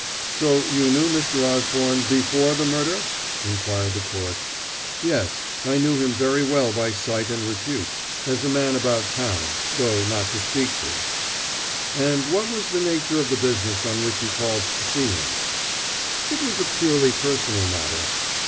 "So you knew Mr. Osborne before the murder?" inquired the court. "Yes. I knew him very well by sight and repute, as a man about town, though not to speak to." "And what was the nature of the business on which you called to see him?" "It was a purely personal matter."